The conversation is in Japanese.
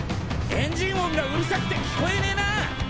エンジン音がうるさくて聞こえねぇなァ。